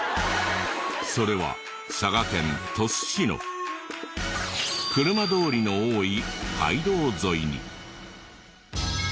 それは佐賀県鳥栖市の車通りの多い街道沿いに。